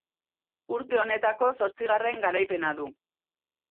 Urte honetako zortzigarren garaipena du.